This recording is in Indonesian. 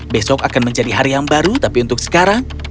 besok akan menjadi hari yang baru tapi untuk sekarang